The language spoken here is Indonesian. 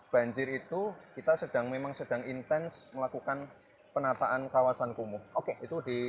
banjir itu kita sedang memang sedang intens melakukan penataan kawasan kumuh oke itu di